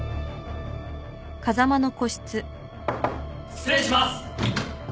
失礼します！